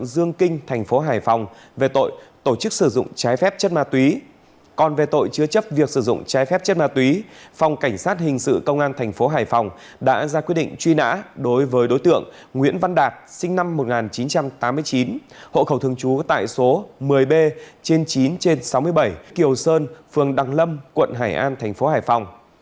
đối với đối tượng nguyễn văn đạt sinh năm một nghìn chín trăm tám mươi chín hộ khẩu thường trú tại số một mươi b chín sáu mươi bảy kiều sơn phường đăng lâm quận hải an tp hải phòng